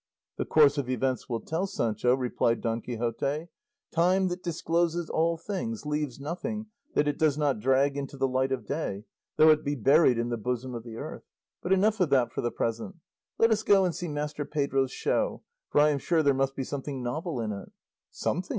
"The course of events will tell, Sancho," replied Don Quixote; "time, that discloses all things, leaves nothing that it does not drag into the light of day, though it be buried in the bosom of the earth. But enough of that for the present; let us go and see Master Pedro's show, for I am sure there must be something novel in it." "Something!"